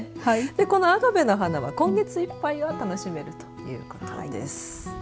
このアガベの花は今月いっぱいは楽しめるということです。